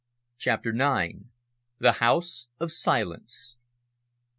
CHAPTER NINE. THE HOUSE OF SILENCE.